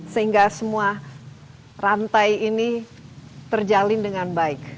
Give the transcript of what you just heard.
sehingga semua rantai ini terjalin dengan baik